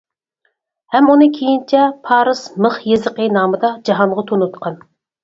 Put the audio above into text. ھەم ئۇنى كېيىنچە «پارس مىخ يېزىقى» نامىدا جاھانغا تونۇتقان.